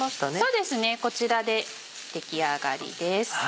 そうですねこちらで出来上がりです。